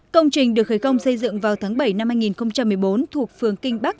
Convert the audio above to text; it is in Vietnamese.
công trình được khởi công xây dựng vào tháng bảy năm hai nghìn một mươi bốn thuộc phường kinh bắc